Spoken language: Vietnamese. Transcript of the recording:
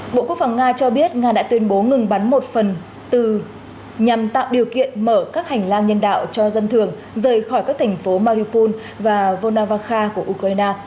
bộ quốc phòng nga cho biết nga đã tuyên bố ngừng bắn một phần từ nhằm tạo điều kiện mở các hành lang nhân đạo cho dân thường rời khỏi các thành phố maripol và volnava của ukraine